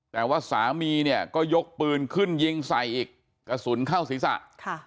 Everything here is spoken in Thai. แต่ว่าสามีเนี่ยก็ยกปืนขึ้นยิงใส่อีกกระสุนเข้าศีรษะ